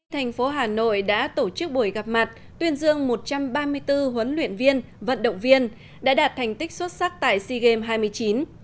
thành phố hà nội đã tổ chức buổi gặp mặt tuyên dương một trăm ba mươi bốn huấn luyện viên vận động viên đã đạt thành tích xuất sắc tại sea games hai mươi chín